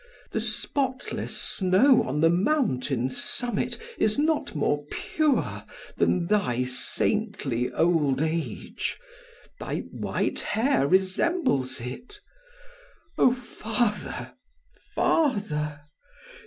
The spotless snow on the mountain's summit is not more pure than thy saintly old age, thy white hair resembles it. Oh! father, father!